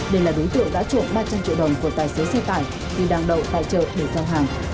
đây là đối tượng đã trộm ba trăm linh triệu đồng của tài xế xe tải vì đang đầu tài trợ để giao hàng